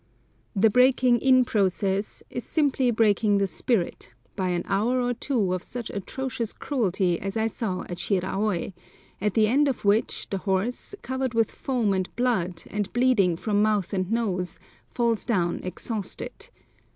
The breaking in process is simply breaking the spirit by an hour or two of such atrocious cruelty as I saw at Shiraôi, at the end of which the horse, covered with foam and blood, and bleeding from mouth and nose, falls down exhausted.